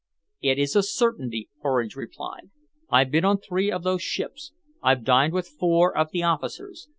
"It is a certainty," Horridge replied. "I've been on three of those ships. I've dined with four of the officers.